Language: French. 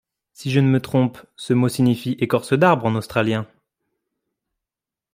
Si je ne me trompe, ce mot signifie « écorce d’arbre » en australien ?